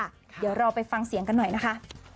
เดี๋ยวเราไปฟังเสียงกันหน่อยนะคะ